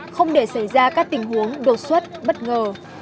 không để xảy ra các tình huống đột xuất bất ngờ